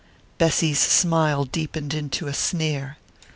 Bessy's smile deepened to a sneer.